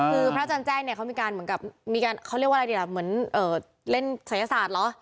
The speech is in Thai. คือพระอาจารย์แจ้งเนี่ยเขามีการเหมือนกับมีการเขาเรียกว่าอะไรดีล่ะเหมือนเล่นศัยศาสตร์เหรอ